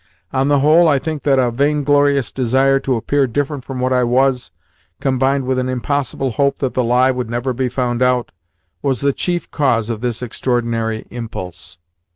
On the whole I think that a vain glorious desire to appear different from what I was, combined with an impossible hope that the lie would never be found out, was the chief cause of this extraordinary impulse.